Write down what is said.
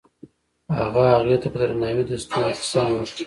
هغه هغې ته په درناوي د ستوري کیسه هم وکړه.